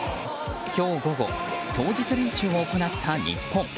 今日午後当日練習を行った日本。